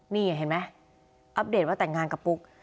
นี่เห็นไหมอัปเดตว่าแต่งงานกับปุ๊ก